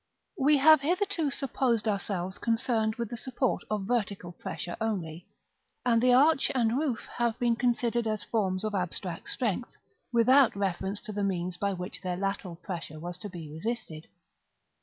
§ I. We have hitherto supposed ourselves concerned with the support of vertical pressure only; and the arch and roof have been considered as forms of abstract strength, without reference to the means by which their lateral pressure was to be resisted.